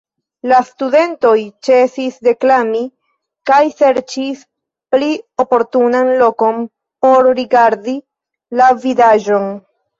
La studentoj ĉesis deklami kaj serĉis pli oportunan lokon por rigardi la vidaĵon.